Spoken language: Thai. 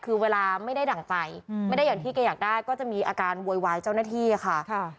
คือเวลาไม่ได้ดั่งใจไม่ได้อย่างที่แกอยากได้ก็จะมีอาการโวยวายเจ้าหน้าที่ค่ะ